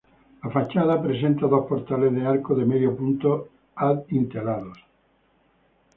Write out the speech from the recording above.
La fachada presenta dos portales de arco de medio punto adintelados.